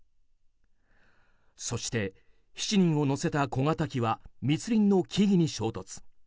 そして７人を乗せた小型機は密林の木々に衝突。